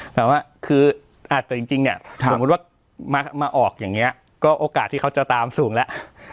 แต่ว่าคืออาจจะจริงเนี่ยสมมุติว่ามาออกอย่างนี้ก็โอกาสที่เขาจะตามสูงแล้ว